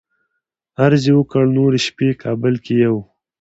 عرض یې وکړ نورې شپې کابل کې یو.